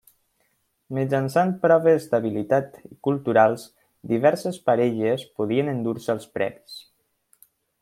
Mitjançant proves d'habilitat i culturals, diverses parelles podien endur-se els premis.